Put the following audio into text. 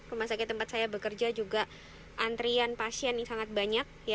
rumah sakit tempat saya bekerja juga antrian pasien yang sangat banyak